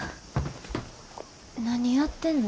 何やってんの？